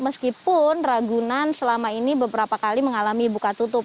meskipun ragunan selama ini beberapa kali mengalami buka tutup